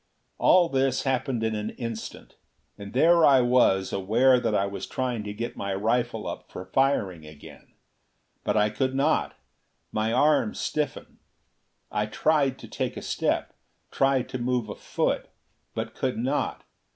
All this happened in an instant. And there I was aware that I was trying to get my rifle up for firing again; but I could not. My arms stiffened. I tried to take a step, tried to move a foot, but could not.